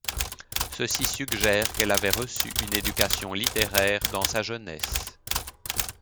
Ceci suggère qu'elle avait reçu une éducation littéraire dans sa jeunesse.